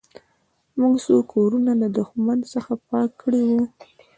موږ څو کورونه له دښمن څخه پاک کړي وو